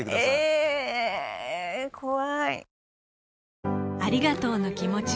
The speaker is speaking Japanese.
えぇ怖い。